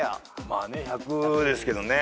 まあね１００ですけどね。